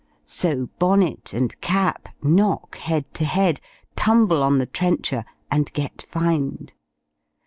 _!" so Bonnet and Cap knock head to head, tumble on the trencher, and get fined.